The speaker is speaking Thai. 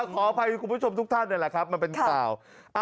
ขออภัยคุณผู้ชมทุกท่านนี่แหละครับมันเป็นข่าว